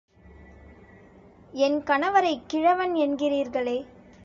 என் கணவரைக் கிழவன் என்கிறீர்களே!